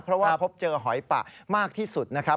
เพราะว่าพบเจอหอยปะมากที่สุดนะครับ